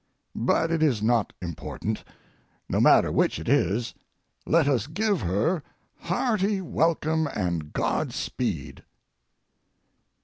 But it is not important. No matter which it is, let us give her hearty welcome and godspeed.